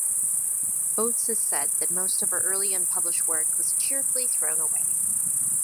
Oates has said that most of her early unpublished work was "cheerfully thrown away".